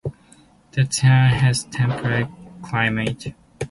The town has a temperate climate.